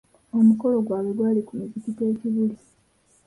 Omukolo gwabwe gwali ku muzigiti e kibuli.